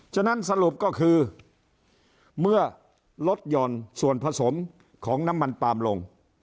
ฉะนั้นสรุปก็คือเมื่อลดหย่อนส่วนผสมของน้ำมันปาล์มลง